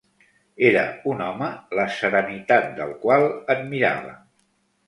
Era un home la serenitat del qual admirava.